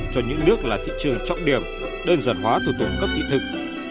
cho những nước là thị trường trọng điểm đơn giản hóa thuộc tổng cấp thị thực